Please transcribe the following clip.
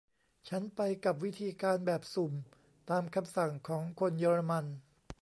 ฉันไปกับวิธีการแบบสุ่มตามคำสั่งของคนเยอรมัน